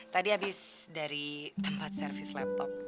tadi habis dari tempat servis laptop